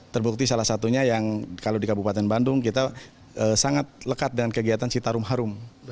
terbukti salah satunya yang kalau di kabupaten bandung kita sangat lekat dengan kegiatan citarum harum